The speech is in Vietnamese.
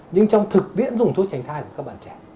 nhưng trong thực tiễn dùng thuốc tránh thai của các bạn trẻ